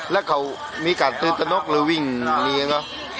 แล้วเขามีกาทตัวนกหรือวิ่ง